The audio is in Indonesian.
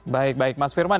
baik baik mas firman